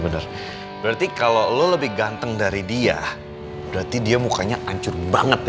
bener berarti kalau lo lebih ganteng dari dia berarti dia mukanya ancur banget ya